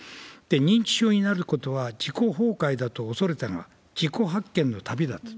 認知症になることは、自己崩壊だと恐れたが、自己発見の旅だと。